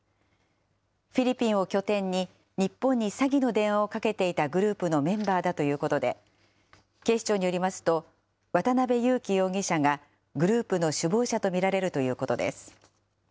フィリピンを拠点に、日本に詐欺の電話をかけていたグループのメンバーだということで、警視庁によりますと、渡邉優樹容疑者が、グループの首謀者と見られるということです。